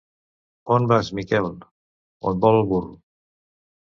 On vas, Miquel? On vol el burro.